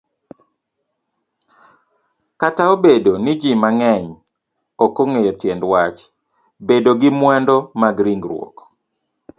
Kataobedo niji mang'eny okong'eyo tiendwach bedogi mwandu magringruok